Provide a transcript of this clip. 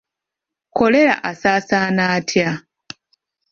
Kkolera asaasaana atya?